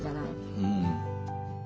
うん。